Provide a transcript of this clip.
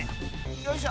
よいしょ！